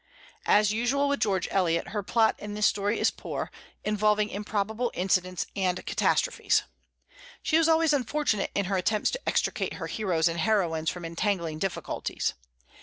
As usual with George Eliot, her plot in this story is poor, involving improbable incidents and catastrophes. She is always unfortunate in her attempts to extricate her heroes and heroines from entangling difficulties.